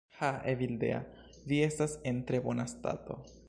Ha! Evildea, vi estas en tre bona stato.